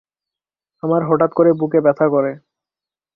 আমার হঠাৎ করে বুকে ব্যথা করে।